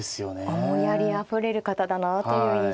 思いやりあふれる方だなという印象がありますね。